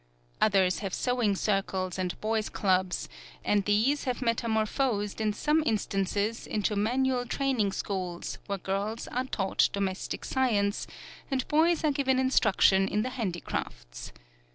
Others have sewing circles and boys' clubs, and these have metamorphosed in some instances into Manual Training Schools where girls are taught Domestic Science and boys are given instruction in the Handicrafts.